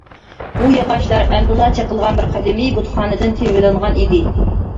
بۇ ياغاچلار ئەمدىلا چېقىلغان بىر قەدىمىي بۇتخانىدىن تېرىۋېلىنغان ئىدى.